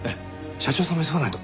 社長さんも急がないと。